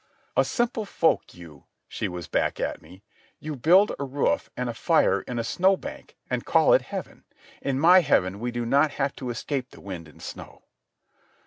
"A simple folk, you," she was back at me. "You build a roof and a fire in a snowbank and call it heaven. In my heaven we do not have to escape the wind and snow."